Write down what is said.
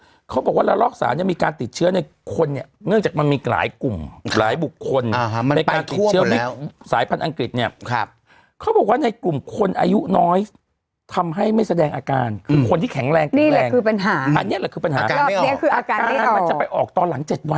ออกลับกลางตอนหลังเจ็ดวันนะอืมใช่อ่าฮอ